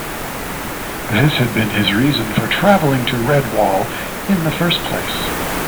This had been his reason for travelling to Redwall in the first place.